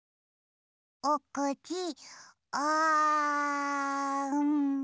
おくちあん。